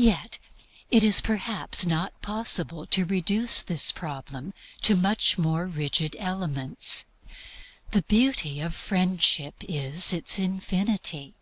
Yet it is perhaps not possible to reduce this problem to much more rigid elements. The beauty of Friendship is its infinity.